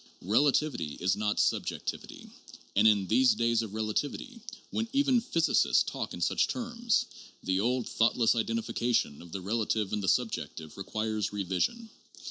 Eelativity is not subjectivity; and in these days of relativity, when even physicists talk in such terms, the old thoughtless identification of the relative and the subjective requires revision.